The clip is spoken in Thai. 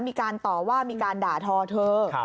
มีการต่อว่ามีการด่าทอเธอ